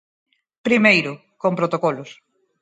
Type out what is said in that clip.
Primeiro, con protocolos.